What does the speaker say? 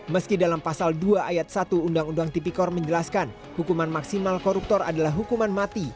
meski dalam pasal dua ayat satu undang undang tipikor menjelaskan hukuman maksimal koruptor adalah hukuman mati